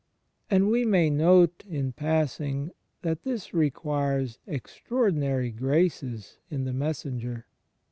And we may note, in passing, that this requires extraordinary graces in the messenger.